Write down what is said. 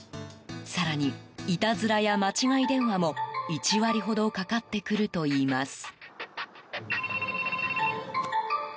更に、いたずらや間違い電話も１割ほどかかってくるといいます。